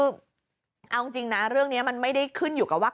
คือเอาจริงนะเรื่องนี้มันไม่ได้ขึ้นอยู่กับว่า